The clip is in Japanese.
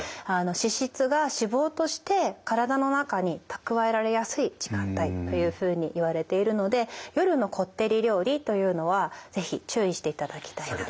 脂質が脂肪として体の中に蓄えられやすい時間帯というふうにいわれているので夜のこってり料理というのは是非注意していただきたいなと。